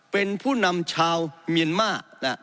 เป็นผู้นำชาวเมียนมาร์